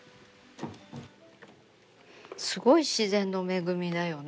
すごい自然の恵みだよね。